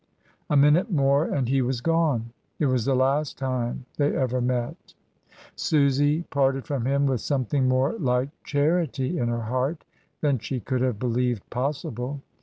A minute more and he was gone. It was the last time they ever met. Susy parted from him with something more like charity in her heart than she could have believed possible.